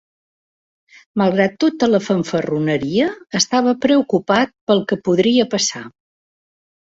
Malgrat tota la fanfarroneria, estava preocupat pel que podria passar.